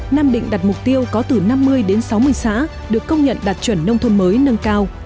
nam định đặt mục tiêu có từ năm mươi đến sáu mươi xã được công nhận đạt chuẩn nông thôn mới nâng cao